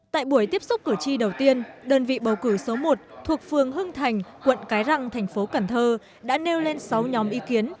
tại buổi tiếp xúc cử tri đầu tiên đơn vị bầu cử số một thuộc phường hưng thành quận cái răng thành phố cần thơ đã nêu lên sáu nhóm ý kiến